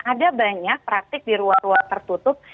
ada banyak praktik di ruang ruang tertutup